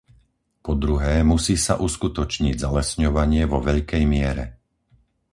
po druhé, musí sa uskutočniť zalesňovanie vo veľkej miere,